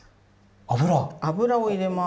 油⁉油を入れます。